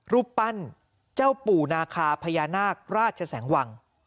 รูปปั้นเจ้าปู่นาคาพญานาคราชแสงวัง